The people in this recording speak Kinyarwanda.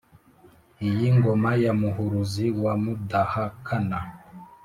iyi ngoma ya muhuruzi wa mudahakana,